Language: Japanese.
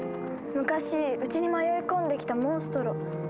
昔うちに迷い込んできたモンストロ。